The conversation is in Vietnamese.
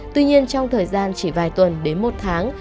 tuy nhiên trong thời gian chỉ vài tuần đến một tháng